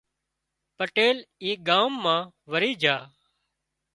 پٽيل اي ڳام وري جھا